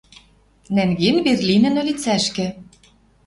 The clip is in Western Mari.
Нӓнген Берлинӹн ӧлицӓшкӹ.